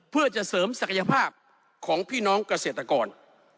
เพื่อจะเสริมศักยภาพของพี่น้องเกษตรกร